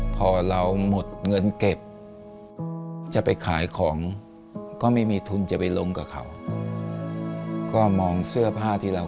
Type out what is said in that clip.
พอเราหมดเงินเก็บจะไปขายของก็ไม่มีทุนจะไปลงกับเขาก็มองเสื้อผ้าที่เรา